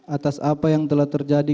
atas apa yang telah terjadi